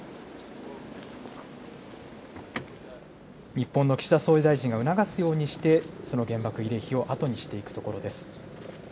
日本の岸田総理大臣が促すようようにしてその原爆慰霊碑を後にしていくところです。